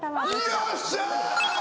よっしゃ！